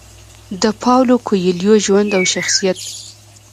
د پاولو کویلیو ژوند او شخصیت: